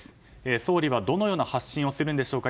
総理はどのような発信をするんでしょうか。